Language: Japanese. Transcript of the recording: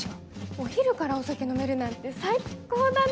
お昼からお酒飲めるなんて最っ高だね！